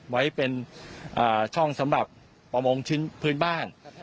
ไว้เป็นช่องสำหรับประมงชิ้นพื้นบ้าน